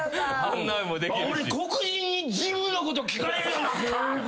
俺黒人にジムのこと聞かれるようになった。